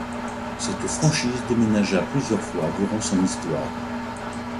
Cette franchise déménagea plusieurs fois durant son histoire.